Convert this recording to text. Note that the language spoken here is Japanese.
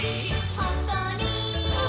ほっこり。